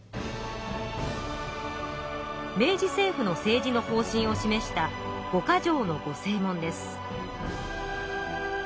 明治政府の政治の方針を示した「五か条の御誓文」です。